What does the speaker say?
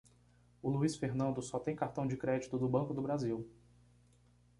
O Luiz Fernando só tem cartão de crédito do Banco do Brasil.